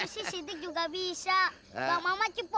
situ juga bisa